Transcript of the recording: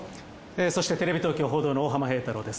そしてテレビ東京報道の大浜平太郎です。